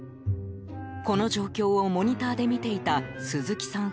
この状況をモニターで見ていた鈴木さん